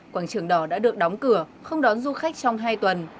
quảng trường đỏ đã được đóng cửa không đón du khách trong hai tuần